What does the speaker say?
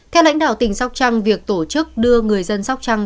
theo lãnh đạo tỉnh sóc trăng việc tổ chức đưa người dân sóc trăng